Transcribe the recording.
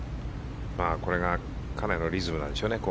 これが金谷のリズムなんでしょうね。